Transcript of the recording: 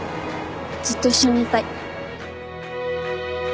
ずっと一緒にいたい。